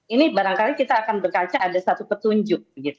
ini barangkali kita akan berkaca ada satu petunjuk